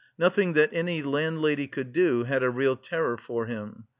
Nothing that any landlady could do had a real terror for him.